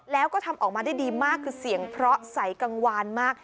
แล้วก็ทำออกมาได้ดีมากคือเสียงเพราะใสกังวานมาก